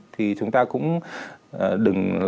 thì chúng ta cũng đừng